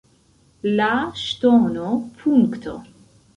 La ŝtono, punkto